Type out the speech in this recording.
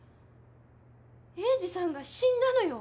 栄治さんが死んだのよ。